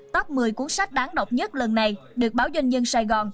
top một mươi cuốn sách đáng đọc nhất lần này được báo doanh nhân sài gòn